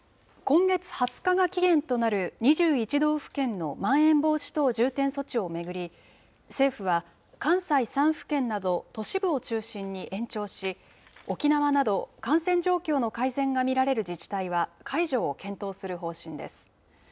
今月２０日が期限となる２１道府県のまん延防止等重点措置を巡り、政府は関西３府県など、都市部を中心に延長し、沖縄など感染状況の改善が見られる自治体は、解除を検討する方針です。